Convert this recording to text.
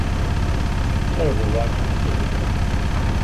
Terrible writing decision.